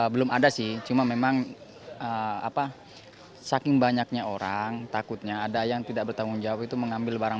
belum ada sih cuma memang saking banyaknya orang takutnya ada yang tidak bertanggung jawab itu mengambil barang